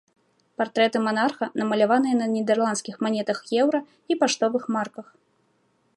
Партрэты манарха намаляваныя на нідэрландскіх манетах еўра і паштовых марках.